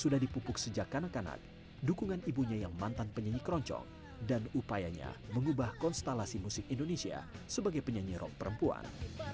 sudah dipupuk sejak kanak kanak dukungan ibunya yang mantan penyanyi keroncong dan upayanya mengubah konstelasi musik indonesia sebagai penyanyi rock perempuan